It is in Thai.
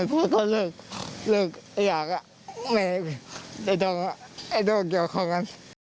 ไอ้โด่เกี่ยวของกัน